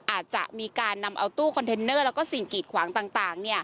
อาจจะมีการนำเอาตู้คอนเทนเนอร์แล้วก็สิ่งกีดขวางต่าง